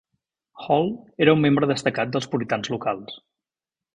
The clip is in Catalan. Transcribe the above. Hall era un membre destacat dels puritans locals.